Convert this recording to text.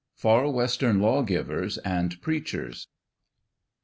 FAR WESTERN LAWGIVERS AND PREACHERS.